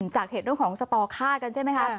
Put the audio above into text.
จากเหตุเรื่องของสตอฆ่ากันใช่ไหมคะ